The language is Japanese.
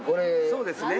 そうですね。